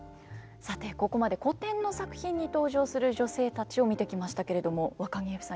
さてここまで古典の作品に登場する女性たちを見てきましたけれどもわかぎゑふさん